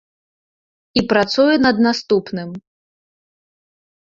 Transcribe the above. І працуе над наступным.